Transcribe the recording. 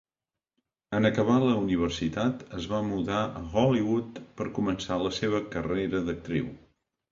En acabar la universitat, es va mudar a Hollywood per començar la seva carrera d'actriu.